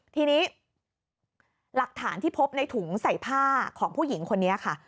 ทีนี้หลักฐานที่พบในถุงใส่ผ้าของผู้หญิงคนนี้ค่ะ